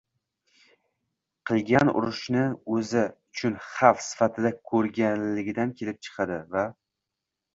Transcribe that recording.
qilingan urinishni o‘zi uchun xavf sifatida ko‘raganligidan kelib chiqadi va